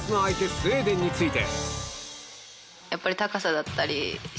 スウェーデンについて。